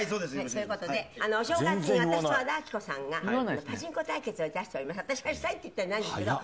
そういう事でお正月に私と和田アキ子さんがパチンコ対決を致しておりまして私がしたいって言ったんじゃないんですけど。